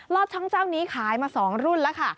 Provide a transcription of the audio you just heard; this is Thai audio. อดช่องเจ้านี้ขายมา๒รุ่นแล้วค่ะ